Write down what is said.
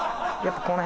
この辺。